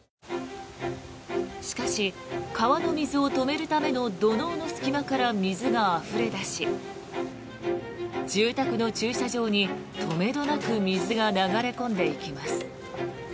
しかし、川の水を止めるための土のうの隙間から水があふれ出し住宅の駐車場に、止めどなく水が流れ込んでいきます。